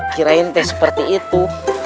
kirain tidak seperti itu